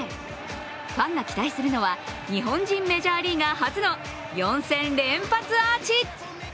ファンが期待するのは日本人メジャーリーガー初の４戦連発アーチ。